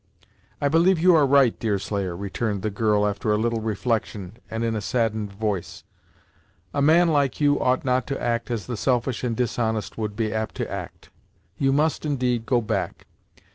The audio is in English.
"I believe you are right, Deerslayer," returned the girl, after a little reflection and in a saddened voice: "a man like you ought not to act as the selfish and dishonest would be apt to act; you must, indeed, go back.